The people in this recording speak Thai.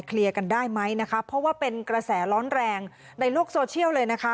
กันได้ไหมนะคะเพราะว่าเป็นกระแสร้อนแรงในโลกโซเชียลเลยนะคะ